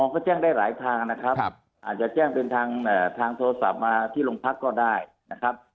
ก็แจ้งได้หลายทางนะครับอาจจะแจ้งเป็นทางโทรศัพท์มาที่โรงพักก็ได้นะครับ